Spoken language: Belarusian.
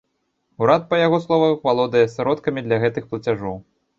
Урад, па яго словах, валодае сродкамі для гэтых плацяжоў.